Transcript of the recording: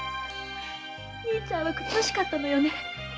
兄ちゃんは口惜しかったのよね。